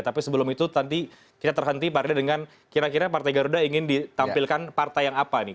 tapi sebelum itu nanti kita terhenti pak ridha dengan kira kira partai garuda ingin ditampilkan partai yang apa nih